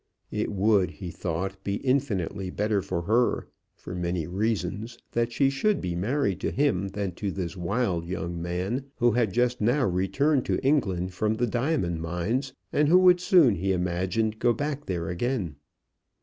It would, he thought, be infinitely better for her, for many reasons, that she should be married to him than to this wild young man, who had just now returned to England from the diamond mines, and would soon, he imagined, go back there again.